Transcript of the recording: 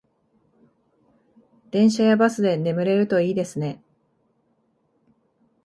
電車やバスで眠れるといいですね